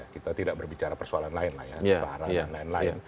kita tidak berbicara persoalan lain